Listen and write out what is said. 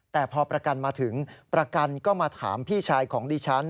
แต่พอประกันมาถึงประกันก็มาถามพี่ชายของดิฉัน